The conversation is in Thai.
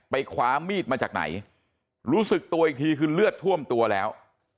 คว้ามีดมาจากไหนรู้สึกตัวอีกทีคือเลือดท่วมตัวแล้ว